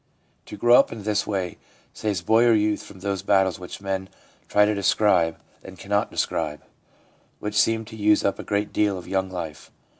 1 To grow up in this way saves boy or youth from those battles which men try to describe and cannot describe, which seem to use up a great deal of young life.